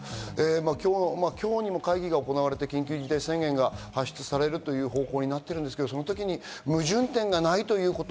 今日にも会議が行われて緊急事態宣言が発出されるという方向になっているんですけど、その時に矛盾点がないということ。